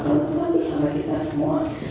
kalo tuhan bersama kita semua